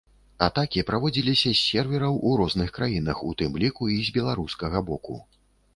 Атакі праводзіліся з сервераў у розных краінах, у тым ліку і з беларускага боку.